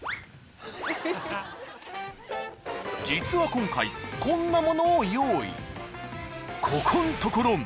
今回こんなものを用意。